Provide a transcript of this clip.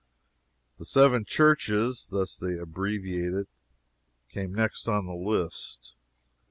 The "Seven Churches" thus they abbreviate it came next on the list.